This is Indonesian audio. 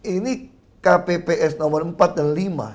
ini kpps nomor empat dan lima